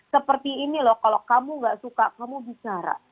seperti ini loh kalau kamu gak suka kamu bicara